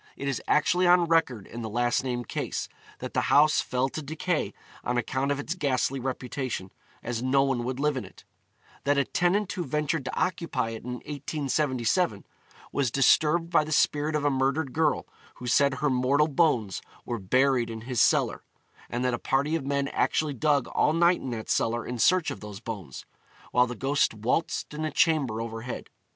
It is actually on record in the last named case, that the house fell to decay on account of its ghastly reputation, as no one would live in it; that a tenant who ventured to occupy it in 1877 was disturbed by the spirit of a murdered girl who said her mortal bones were buried in his cellar; and that a party of men actually dug all night in that cellar in search of those bones, while the ghost waltzed in a chamber overhead.